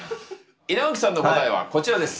稲垣さんの答えはこちらです。